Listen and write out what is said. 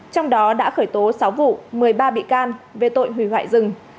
trong đó đã khởi tố sáu vụ một mươi ba bị can về tội hủy hoại rừng